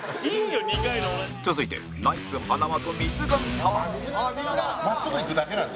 続いて、ナイツ塙と水神さま塙：真っすぐ行くだけなんで。